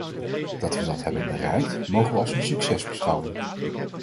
Dat we dat hebben bereikt, mogen we als een succes beschouwen.